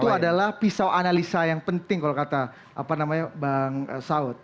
jadi itu adalah pisau analisa yang penting kalau kata bang saud